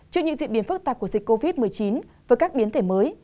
trước những diễn biến phức tạp của dịch covid một mươi chín với các biến thể mới